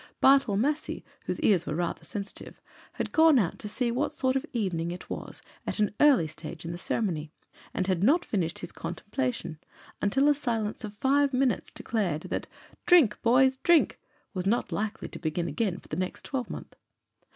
Bartle Massey, whose ears were rather sensitive, had gone out to see what sort of evening it was at an early stage in the ceremony; and had not finished his contemplation, until a silence of five minutes declared that "Drink, boys, drink!" was not likely to begin again for the next twelve month.